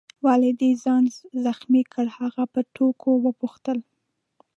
ولي دي ځان زخمي کړ؟ هغه په ټوکو وپوښتل.